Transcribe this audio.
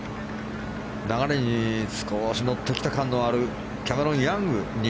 流れに少し乗ってきた感のあるキャメロン・ヤング。